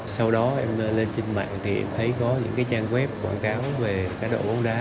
sau đó em lên trên mạng thì em thấy có những trang web quảng cáo về cá đậu bóng đá